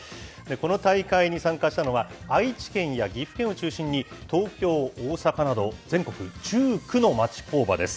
この大会に参加したのは、愛知県や岐阜県を中心に、東京、大阪など全国１９の町工場です。